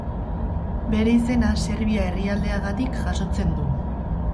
Bere izena Serbia herrialdeagatik jasotzen du.